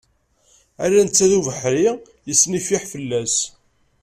Ala netta d ubeḥri yesnifiḥ fell-as.